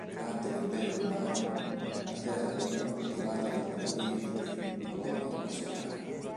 Durante l'impero romano la terra veniva coltivata da contadini liberi, coloni o schiavi.